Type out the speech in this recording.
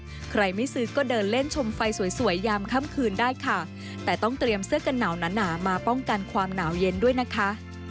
ใครไม่ซื้อก็เดินเล่นชมไฟสวยสวยยามค่ำคืนได้ค่ะแต่ต้องเตรียมเสื้อกันหนาวหนาหนามาป้องกันความหนาวเย็นด้วยนะคะ